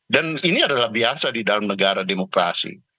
dan ini adalah biasa di dalam negara demokrasi